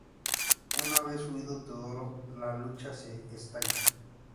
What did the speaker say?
Una vez huido Teodoro, la lucha se estanca.